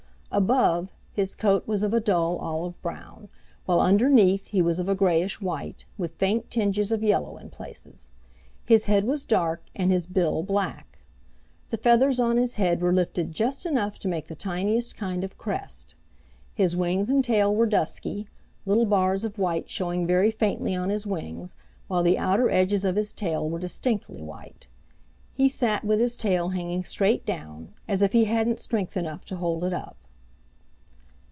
Above, his coat was of a dull olive brown, while underneath he was of a grayish white, with faint tinges of yellow in places. His head was dark, and his bill black. The feathers on his head were lifted just enough to make the tiniest kind of crest. His wings and tail were dusky, little bars of white showing very faintly on his wings, while the outer edges of his tail were distinctly white. He sat with his tail hanging straight down, as if he hadn't strength enough to hold it up.